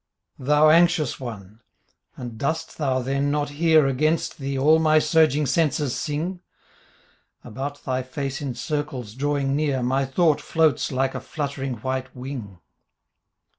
55 The Book of a Monies Life TTiou Anxious One ! And dost thou then not hear Against thee all my surging senses sing? About thy face in circles drawing near My thought floats like a fluttering white wing.